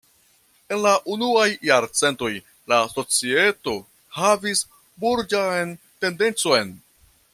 En la unuaj jarcentoj la societo havis burĝan tendencon.